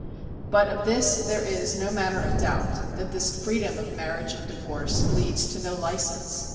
But of this there is no manner of doubt, that this freedom of marriage and divorce leads to no license.